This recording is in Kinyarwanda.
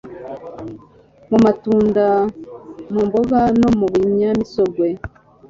mu matunda mu mboga no mu binyamisogwe